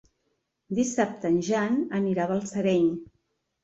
Dissabte en Jan anirà a Balsareny.